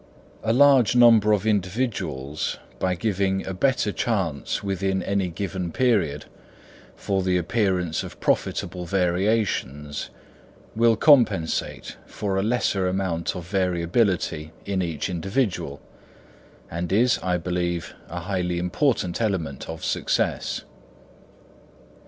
A large number of individuals, by giving a better chance within any given period for the appearance of profitable variations, will compensate for a lesser amount of variability in each individual, and is, I believe, a highly important element of success.